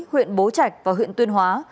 huyện bố trạch và huyện tuyên hóa